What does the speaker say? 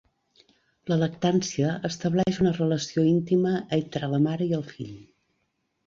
La lactància estableix una relació íntima entre la mare i el fill.